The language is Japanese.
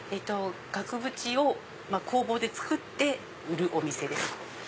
額縁を工房で作って売るお店です。